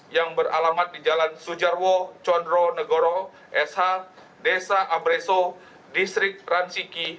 yang beralamat di jalan sujarwo condro negoro sh desa abreso distrik ransiki